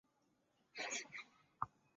虫奉行常住战阵！